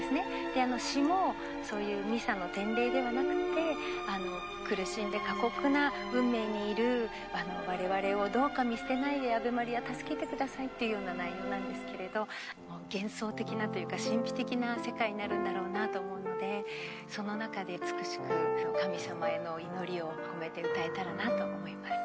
で詞もそういうミサの典礼ではなくて苦しんで過酷な運命にいる我々をどうか見捨てないでアヴェ・マリア助けてくださいっていうような内容なんですけれど幻想的なというか神秘的な世界になるんだろうなと思うのでその中で美しく神様への祈りを込めて歌えたらなと思います。